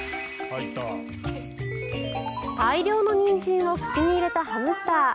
大量のニンジンを口に入れたハムスター。